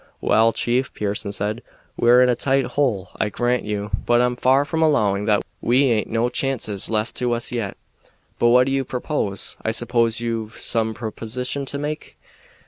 "Waal, chief," Pearson said, "we're in a tight hole, I grant you; but I'm far from allowing that we aint no chances left to us yet. What do you propose? I suppose you've some proposition to make."